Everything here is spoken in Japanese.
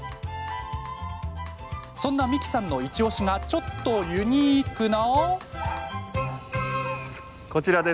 そんな三木さんのイチおしがちょっとユニークな。